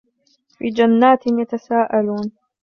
في جنات يتساءلون